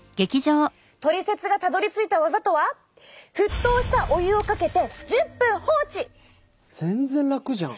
トリセツがたどりついた技とは全然楽じゃん。